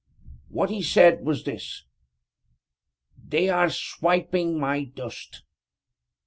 What he said was this: 'They are swiping my dust!'